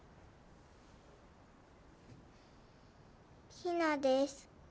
ひなです。